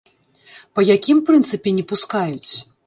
Па якім прынцыпе не пускаюць?